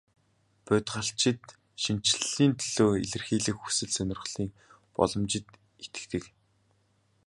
Бодгальчид шинэчлэлийн төлөө эрэлхийлэх хүсэл сонирхлын боломжид итгэдэг.